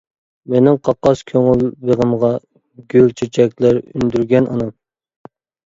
مېنىڭ قاقاس كۆڭۈل بېغىمغا، گۈل چېچەكلەر ئۈندۈرگەن ئانام.